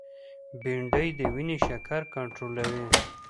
بېنډۍ د وینې شکر کنټرولوي